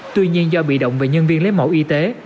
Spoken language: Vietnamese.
tuy nhiên do bị động về nhân viên lấy mẫu y tế